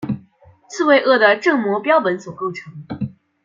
刺猬鳄的正模标本所构成。